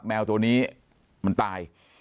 แมวตัวนี้มันตาย